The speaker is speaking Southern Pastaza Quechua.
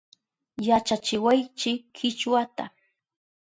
Yachachiwaychi Kichwata